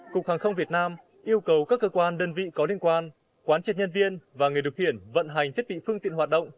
cục hàng không việt nam yêu cầu các cơ quan đơn vị có liên quan quán triệt nhân viên và người được hiển vận hành thiết bị phương tiện hoạt động